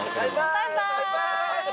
バイバイ！